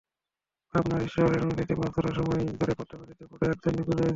পাবনার ঈশ্বরদীতে মাছ ধরার সময় ঝড়ে পদ্মা নদীতে পড়ে একজন নিখোঁজ রয়েছেন।